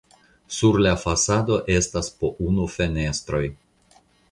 Sur la fasado estas po unu fenestroj.